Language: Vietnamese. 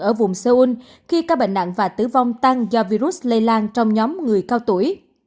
ở vùng seoul khi các bệnh nặng và tử vong tăng do virus lây lan trong nhóm người cao tuổi